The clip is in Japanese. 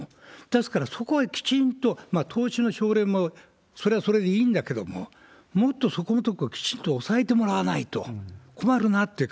ですから、そこはきちんと投資の奨励も、それはそれでいいんだけれども、もっとそこのところをきちんと押さえてもらわないと困る